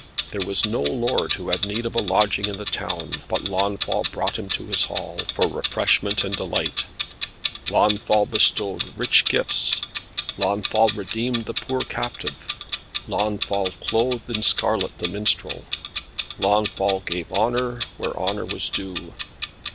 There was no lord who had need of a lodging in the town, but Launfal brought him to his hall, for refreshment and delight. Launfal bestowed rich gifts. Launfal redeemed the poor captive. Launfal clothed in scarlet the minstrel. Launfal gave honour where honour was due.